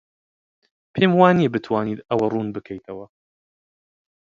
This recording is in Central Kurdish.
پێم وانییە بتوانیت ئەوە ڕوون بکەیتەوە.